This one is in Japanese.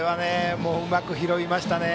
うまく拾いましたね。